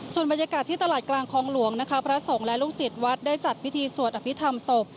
ส่วนบรรยากาศที่ตลาดกลางคลองหลวงนะคะพระสงฆ์และลูกศิษย์วัดได้จัดพิธีสวดอภิษฐรรมศพ